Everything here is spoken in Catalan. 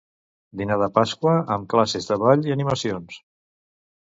Dinar de Pasqua amb classes de ball i animacions.